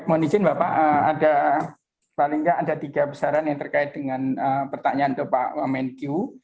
mohon izin bapak ada paling nggak ada tiga besaran yang terkait dengan pertanyaan ke pak wamenkyu